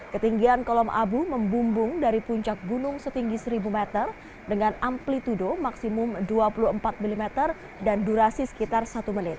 ketinggian kolom abu membumbung dari puncak gunung setinggi seribu meter dengan amplitude maksimum dua puluh empat mm dan durasi sekitar satu menit